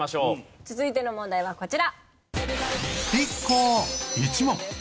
続いての問題はこちら。